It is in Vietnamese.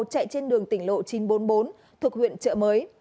chạy trên đường tỉnh lộ chín trăm bốn mươi bốn thuộc huyện trợ mới